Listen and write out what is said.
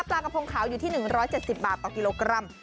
กระพงขาวอยู่ที่๑๗๐บาทต่อกิโลกรัม